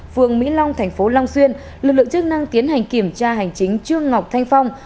phường mỹ long thành phố long xuyên lực lượng chức năng tiến hành kiểm tra hành chính trương ngọc thanh phong